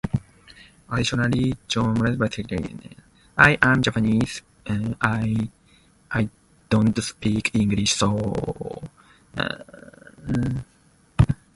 Additionally, John McLusky returned to team up with Jim Lawrence for five comic strips.